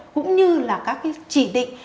cũng như là các chỉ định